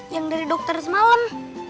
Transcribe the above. yang dari dokter semalam